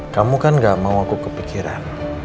kamu kan gak mau aku kepikiran